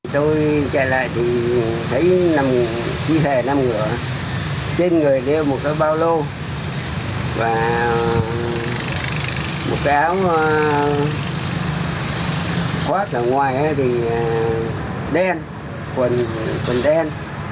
thì thấy thi thể nam ngựa trên người đeo một cái bao lô và một cái áo khoác ở ngoài thì đen quần đen